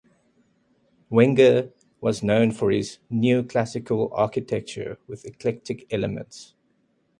Wenger was known for his Neoclassical architecture with eclectic elements.